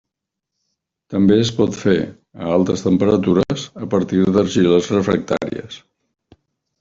També es pot fer, a altes temperatures, a partir d'argiles refractàries.